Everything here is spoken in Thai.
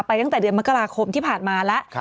ตั้งแต่เดือนมกราคมที่ผ่านมาแล้ว